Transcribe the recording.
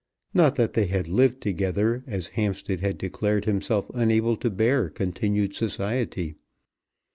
Not that they had lived together, as Hampstead had declared himself unable to bear continued society.